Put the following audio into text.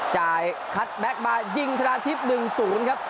จ่ายคัทแบคมายิงชนะทิพย์๑๐ครับ